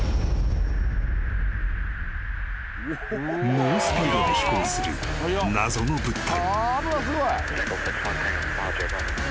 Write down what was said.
［猛スピードで飛行する謎の物体］